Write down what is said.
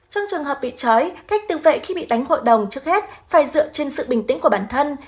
trong trường hợp bị chói cách tự vệ khi bị đánh hội đồng trước hết phải dựa trên sự bình tĩnh của bản thân